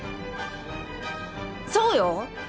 そうよ。